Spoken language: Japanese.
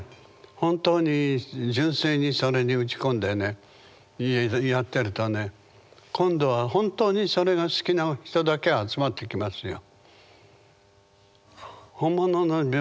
本当に純粋にそれに打ち込んでねやってるとね今度は本当にそれが好きな人だけ集まってきますよ。